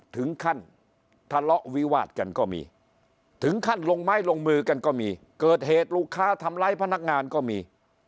ถึงขั้นทะเลาะวิวาดกันก็มีถึงขั้นลงไม้ลงมือกันก็มีเกิดเหตุลูกค้าทำร้ายพนักงานก็มี